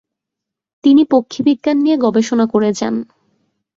তিনি পক্ষীবিজ্ঞান নিয়ে গবেষণা করে যান।